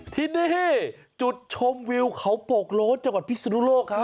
ที่นี่จุดชมวิวเขาโปกโล้นจังหวัดพิศนุโลกครับ